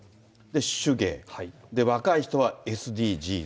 手芸、若い人はＳＤＧｓ。